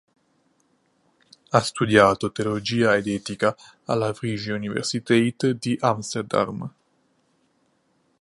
Ha studiato teologia ed etica alla Vrije Universiteit di Amsterdam.